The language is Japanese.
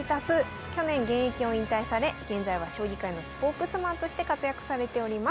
去年現役を引退され現在は将棋界のスポークスマンとして活躍されております。